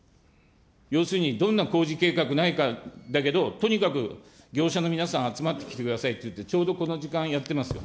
要するにどんな工事計画ないかですけど、とにかく業者の皆さん集まってきてくださいっていって、ちょうどこの時間やってますよ。